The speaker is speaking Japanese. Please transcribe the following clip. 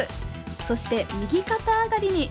そして右肩上がりに！